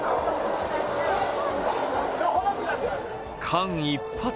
間一髪。